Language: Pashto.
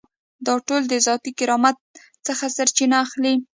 دا ټول د ذاتي کرامت څخه سرچینه اخلي.